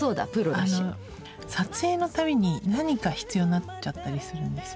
あの撮影のたびに何か必要になっちゃったりするんですよ。